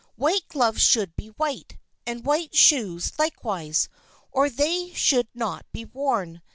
White gloves should be white, and white shoes likewise, or they should not be worn.